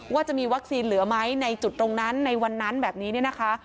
ว่าจะมีวัคซีนเหลือไหมในจุดตรงนั้นในวันนั้นแบบนี้เนี่ยนะคะ